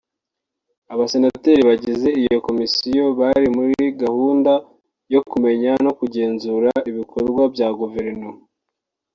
Abasenateri bagize iyi komisiyo bari muri gahunda yo kumenya no kugenzura ibikorwa bya Guverinoma